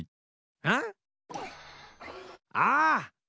あん？ああ！